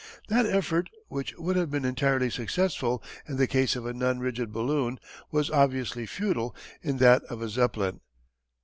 That effort, which would have been entirely successful in the case of a non rigid balloon, was obviously futile in that of a Zeppelin.